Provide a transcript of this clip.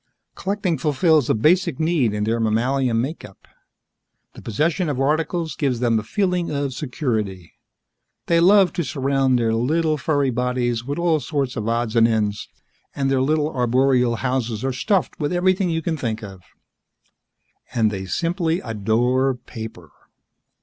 Collecting fulfills a basic need in their mammalian makeup; the possession of articles gives them a feeling of security. They love to surround their little furry bodies with all sorts of odds and ends, and their little arboreal houses are stuffed with everything you can think of. And they simply adore paper.